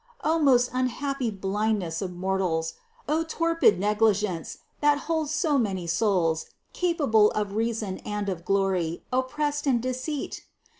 O most unhappy blindness of mortals! O torpid negligence, that holds so many souls, capable of reason and of glory, oppressed in deceit!